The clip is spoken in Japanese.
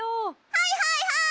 はいはいはい！